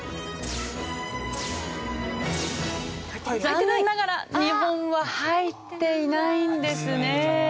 残念ながら日本は入っていないんですね。